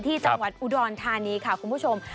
ที่จังหวัดอุดรธานีค่ะคุณผู้ชม